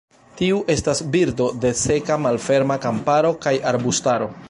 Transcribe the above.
Tiu estas birdo de seka malferma kamparo kaj arbustaro.